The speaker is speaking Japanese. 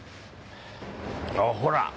あっほら